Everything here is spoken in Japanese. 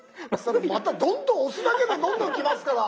またどんどん押すだけでどんどん来ますから。